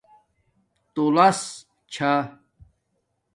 تولس چھݳ